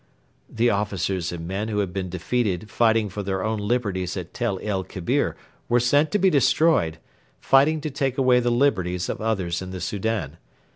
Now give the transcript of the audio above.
The officers and men who had been defeated fighting for their own liberties at Tel el Kebir were sent to be destroyed, fighting to take away the liberties of others in the Soudan.